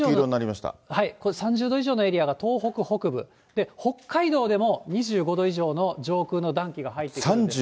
３０度以上のエリアが東北北部、北海道でも２５度以上の上空の暖気が入ってきますので。